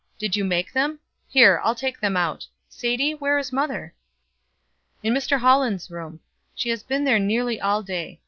Did you make them? Here, I'll take them out. Sadie, where is mother?" "In Mr. Holland's room. She has been there nearly all day. Mr.